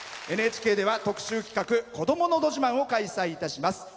ＮＨＫでは特集企画「こどものど自慢」を開催いたします。